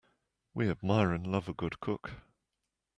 We admire and love a good cook.